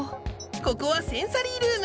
ここはセンサリールーム。